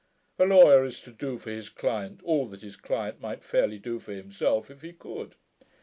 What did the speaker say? A lawyer is to do for his client all that his client might fairly do for himself, if he could.